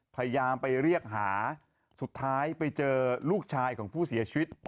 พยายามไปเรียกหาสุดท้ายไปเจอลูกชายของผู้เสียชีวิต